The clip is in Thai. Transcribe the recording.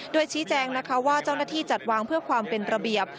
โดยชี้แจงนะคะว่าเจ้าหน้าที่จัดวางเพื่อความเป็นระเบียบ